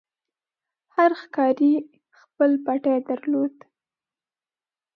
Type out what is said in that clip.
هر ښکاري خپل پټی درلود.